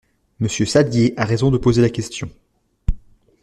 Monsieur Saddier a raison de poser la question.